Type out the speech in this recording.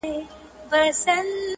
دلې ئې په کالګري او وانکوور ښارونو کي